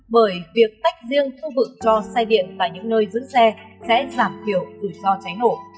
bởi việc tách riêng khu vực cho xe điện tại những nơi dưới xe sẽ giảm hiểu tự do cháy nổ